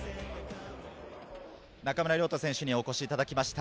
中村亮土選手にお越しいただきました。